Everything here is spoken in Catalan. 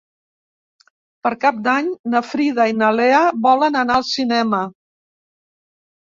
Per Cap d'Any na Frida i na Lea volen anar al cinema.